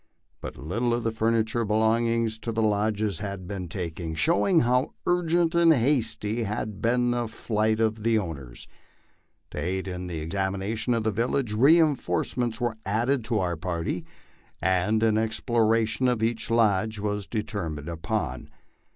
But little of the furniture belonging to the jodgca had been taken, showing how urgent and hasty had been the flight of the own ers. To aid in the examination of the village, reinforcements were added to our party, and an exploration of each lodge was determined upon.